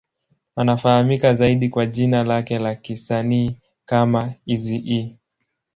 Anafahamika zaidi kwa jina lake la kisanii kama Eazy-E.